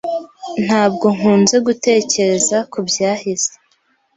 Ntabwo nkunze gutekereza kubyahise.